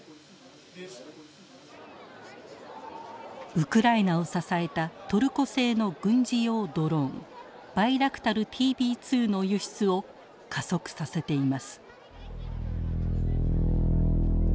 ウクライナを支えたトルコ製の軍事用ドローンバイラクタルＴＢ２の輸出を加速させています。